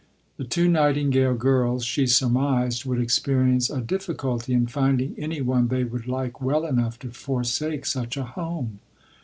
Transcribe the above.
The two Nightingale girls, she surmised, would experience a "difficulty in finding any one they would like well enough to forsake such a home."